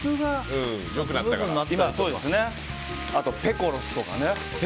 あと、ペコロスとかね。